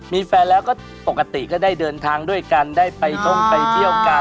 มีแฟนแล้วก็ปกติก็ได้เดินทางด้วยกันได้ไปท่องไปเที่ยวกัน